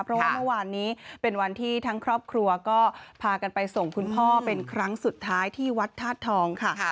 เพราะว่าเมื่อวานนี้เป็นวันที่ทั้งครอบครัวก็พากันไปส่งคุณพ่อเป็นครั้งสุดท้ายที่วัดธาตุทองค่ะ